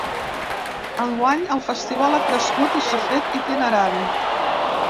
Enguany, el festival ha crescut i s’ha fet itinerant.